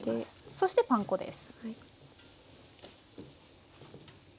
そしてパン粉です。